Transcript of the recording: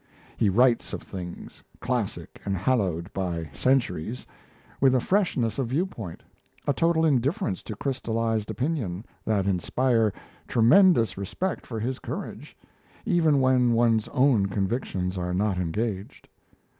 He writes of things, classic and hallowed by centuries, with a freshness of viewpoint, a total indifference to crystallized opinion, that inspire tremendous respect for his courage, even when one's own convictions are not engaged.